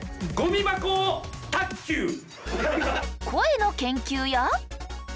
声の研究や。